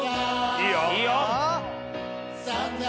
いいよ！